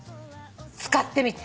使ってみて。